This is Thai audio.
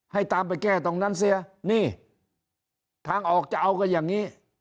ตามไปแก้ตรงนั้นเสียนี่ทางออกจะเอากันอย่างนี้